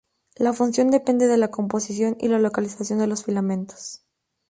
La función depende de la composición y la localización de los filamentos.